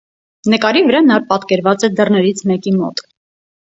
Նկարի վրա նա պատկերված է դռներից մեկի մոտ։